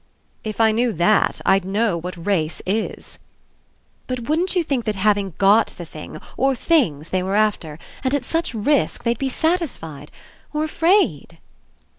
"If I knew that, I'd know w^hat race is." "But wouldn't you think that having got the thing, or things, they were after, and at such risk, they'd be satisfied? Or afraid?"